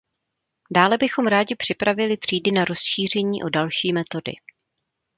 Dále bychom rádi připravili třídy na rozšíření o další metody.